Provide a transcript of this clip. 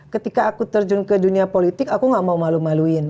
ketika aku terjun ke dunia politik aku gak mau malu maluin